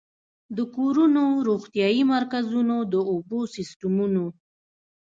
د کورونو، روغتيايي مرکزونو، د اوبو سيستمونو